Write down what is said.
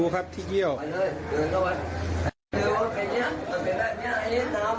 แสดงมาก